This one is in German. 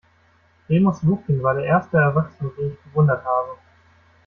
Remus Lupin war der erste Erwachsene, den ich bewundert habe.